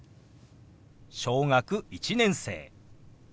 「小学１年生」。